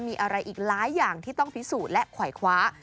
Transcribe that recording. มีอะไรอีกหลายอย่างที่ต้องพิสูจน์และขวายคว้า